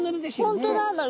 本当だ。